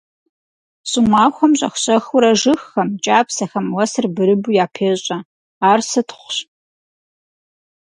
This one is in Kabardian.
Щӏымахуэм щӏэх-щӏэхыурэ жыгхэм, кӏапсэхэм уэсыр бырыбу япещӏэ, ар сытхъущ.